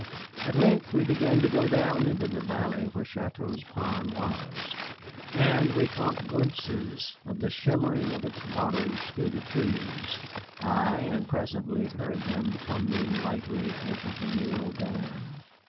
At length we began to go down into the valley where Chouteau's pond was, and we caught glimpses of the shimmering of its waters through the trees, ay, and presently heard them tumbling lightly over the mill dam.